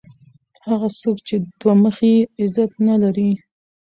هغه څوک چي دوه مخی يي؛ عزت نه لري.